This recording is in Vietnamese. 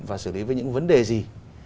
và xử lý với những vấn đề gì